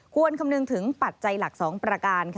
คำนึงถึงปัจจัยหลัก๒ประการ